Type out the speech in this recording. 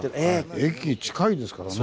駅近いですからね。